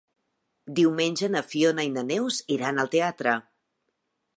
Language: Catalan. Diumenge na Fiona i na Neus iran al teatre.